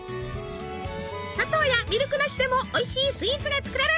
砂糖やミルクなしでもおいしいスイーツが作れる！